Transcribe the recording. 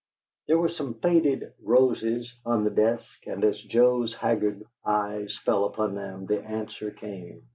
There were some faded roses on the desk, and as Joe's haggard eyes fell upon them the answer came.